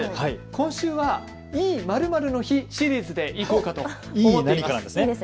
今週はいい○○の日シリーズでいこうかと思っています。